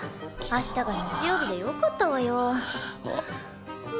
明日が日曜日でよかったわよ。